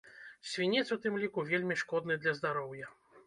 Свінец у тым ліку вельмі шкодны для здароўя.